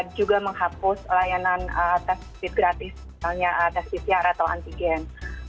juga menghapus layanan tes covid gratis misalnya tes pcr atau antigen